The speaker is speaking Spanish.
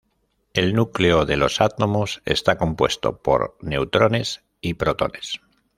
El núcleo de los átomos está compuesto por neutrones y protones.